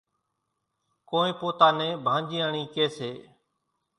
ڪونئين پوتا نين ڀانڄياڻِي ڪيَ سي۔